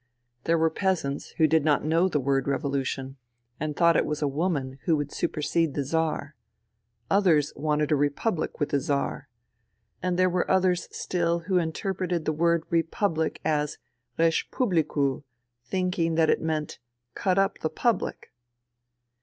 There were peasants who did not know the word " revolution " and thought it was a woman who would supersede the Czar. Others wanted a republic with a czar. And there were others still who interpreted the word republic as " rezsh publicoo," thinking that it meant " cut up the public."